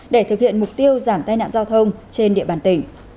để thực hiện mục tiêu giảm tai nạn giao thông trên địa bàn tỉnh